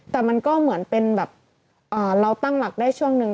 แต่มันก็เหมือนเป็นแบบเราตั้งหลักได้ช่วงนึง